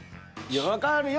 わかるよ。